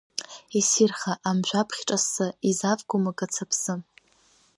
Иссирха амжәабӷьы ҿассы, иазавгома Қыц аԥсы?!